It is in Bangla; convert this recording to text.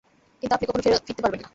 কিন্তু আপনি কখনো ফিরতে পারবেন না!